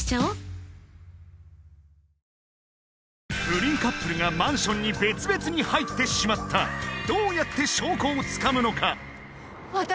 不倫カップルがマンションに別々に入ってしまったどうやって証拠をつかむのか？